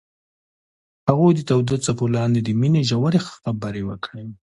هغوی د تاوده څپو لاندې د مینې ژورې خبرې وکړې.